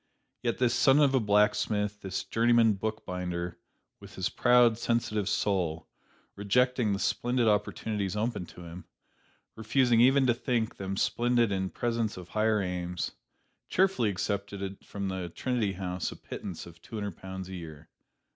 Yet this son of a blacksmith, this journeyman book binder, with his proud, sensitive soul, rejecting the splendid opportunities open to him refusing even to think them splendid in presence of higher aims cheerfully accepted from the Trinity House a pittance of two hundred pounds a year.